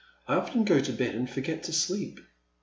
I often go to bed and forget to sleep.